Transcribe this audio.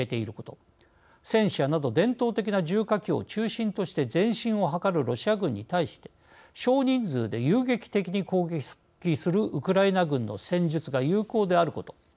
戦車など伝統的な重火器を中心として前進を図るロシア軍に対して少人数で遊撃的に攻撃するウクライナ軍の戦術が有効であること。